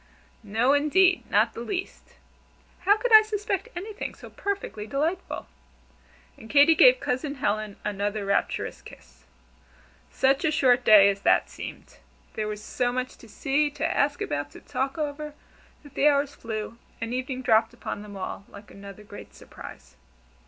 "No, indeed not the least. How could I suspect anything so perfectly delightful?" And Katy gave Cousin Helen another rapturous kiss. Such a short day as that seemed! There was so much to see, to ask about, to talk over, that the hours flew, and evening dropped upon them all like another great surprise.